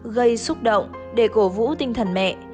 gây xúc động để cổ vũ tinh thần mẹ